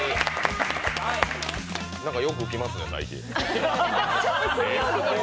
よく来ますね、最近。